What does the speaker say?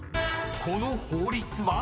［この法律は？］